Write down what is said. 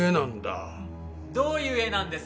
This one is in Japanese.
どういう絵なんです？